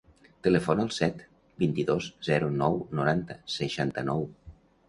Telefona al set, vint-i-dos, zero, nou, noranta, seixanta-nou.